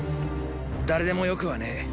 誰でもよくはねェ。